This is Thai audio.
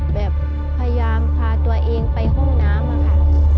พยายามพาตัวเองไปห้องน้ำ